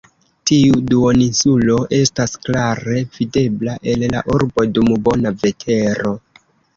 Tiu duoninsulo estas klare videbla el la urbo dum bona vetero.